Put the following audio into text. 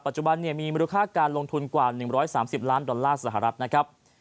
จุบันมีมูลค่าการลงทุนกว่า๑๓๐ล้านดอลลาร์สหรัฐนะครับ